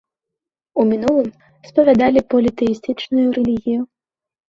У мінулым спавядалі політэістычную рэлігію.